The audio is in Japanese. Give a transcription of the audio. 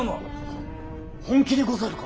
ほ本気でござるか？